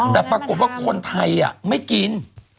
แต่ปรากฏว่าคนไทยไม่กิน